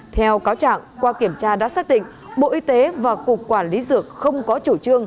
theo cáo trạng qua kiểm tra đã xác định bộ y tế và cục quản lý dược không có chủ trương